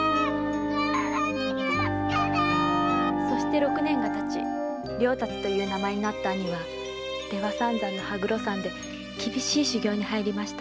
〔体に気をつけてー‼〕そして六年が経ち「了達」という名前になった兄は出羽三山の羽黒山で厳しい修行に入りました。